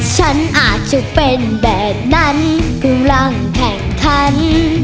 ฉันอาจจะเป็นแบบนั้นกลุ่นร่างแค่งคัน